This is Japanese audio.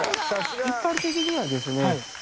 一般的にはですね